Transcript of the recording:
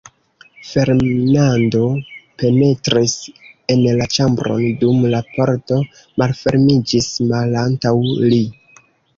Fernando penetris en la ĉambron, dum la pordo malfermiĝis malantaŭ li.